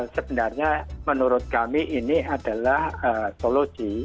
sebenarnya menurut kami ini adalah solusi